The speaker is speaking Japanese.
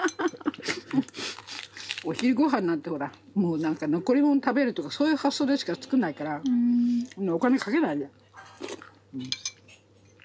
お昼ごはんなんてほら残り物食べるとかそういう発想でしか作んないからお金かけないで。